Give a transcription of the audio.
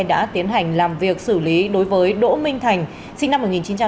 đã tiến hành làm việc xử lý đối với đỗ minh thành sinh năm một nghìn chín trăm tám mươi